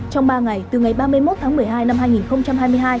trong ba ngày từ ngày ba mươi một tháng một mươi hai năm hai nghìn hai mươi hai